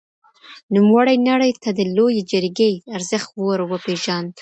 نوموړي نړۍ ته د لويې جرګې ارزښت ور وپېژاند.